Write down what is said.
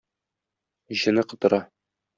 Җене котыра.